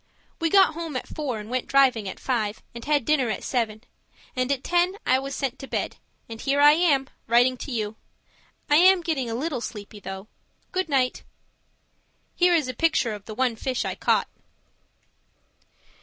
We got home at four and went driving at five and had dinner at seven, and at ten I was sent to bed and here I am, writing to you. I am getting a little sleepy, though. Good night. Here is a picture of the one fish I caught.